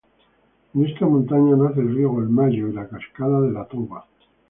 En esta montaña nace el río Golmayo y la Cascada de la Toba.